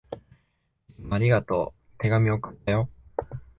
いつもありがとう。手紙、送ったよ。